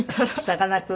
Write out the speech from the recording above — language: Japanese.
さかなクン。